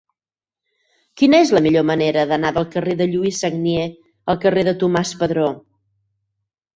Quina és la millor manera d'anar del carrer de Lluís Sagnier al carrer de Tomàs Padró?